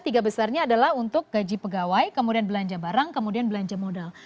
tiga besarnya adalah untuk gaji pegawai kemudian belanja barang kemudian belanja modal